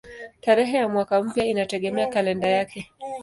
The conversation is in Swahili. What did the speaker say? Tarehe ya mwaka mpya inategemea kalenda yake.